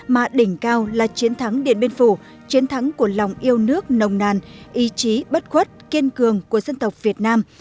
mà đỉnh cao là chiến thắng điện biên phủ chiến thắng của lòng yêu nước nồng nàn ý chí bất khuất kiên cường của dân tộc việt nam